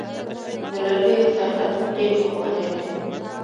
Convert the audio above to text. د لرګیو صنعت ډیر پخوانی دی.